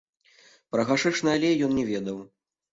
Пра гашышны алей ён не ведаў.